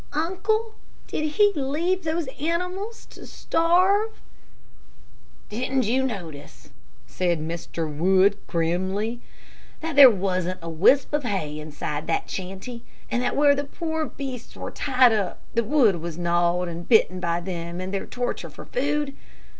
"Uncle, did he leave those animals to starve?" "Didn't you notice," said Mr. Wood, grimly, "that there wasn't a wisp of hay inside that shanty, and that where the poor beasts were tied up the wood was knawed and bitten by them in their torture for food?